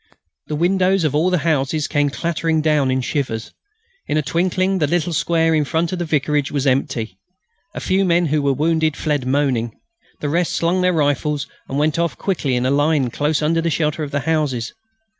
The windows of all the houses came clattering down in shivers. In a twinkling the little square in front of the vicarage was empty. A few men who were wounded fled moaning. The rest slung their rifles and went off quickly in a line close under the shelter of the houses.